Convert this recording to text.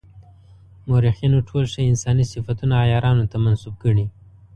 مورخینو ټول ښه انساني صفتونه عیارانو ته منسوب کړي.